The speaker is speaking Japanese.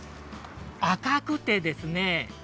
あかくてですね